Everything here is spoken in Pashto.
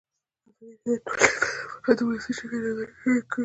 ازادي راډیو د ټولنیز بدلون په اړه د ولسي جرګې نظرونه شریک کړي.